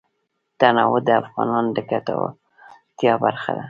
تنوع د افغانانو د ګټورتیا برخه ده.